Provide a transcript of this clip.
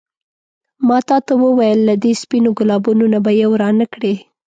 ما تا ته وویل له دې سپينو ګلابو نه به یو رانه کړې.